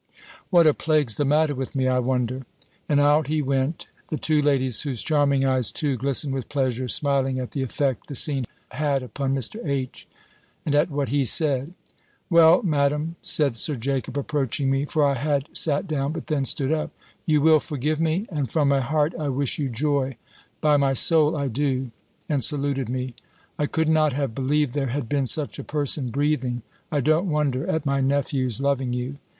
What a plague's the matter with me, I wonder!" And out he went, the two ladies, whose charming eyes, too, glistened with pleasure, smiling at the effect the scene had upon Mr. H. and at what he said. "Well, Madam," said Sir Jacob, approaching me; for I had sat down, but then stood up "You will forgive me; and from my heart I wish you joy. By my soul I do," and saluted me. "I could not have believed there had been such a person breathing. I don't wonder at my nephew's loving you!